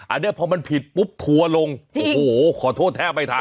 อันนี้พอมันผิดปุ๊บทัวร์ลงโอ้โหขอโทษแทบไม่ทัน